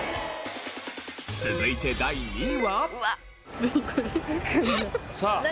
続いて第２位は。